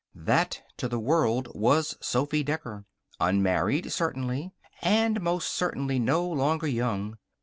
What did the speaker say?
That, to the world, was Sophy Decker. Unmarried, certainly. And most certainly no longer young.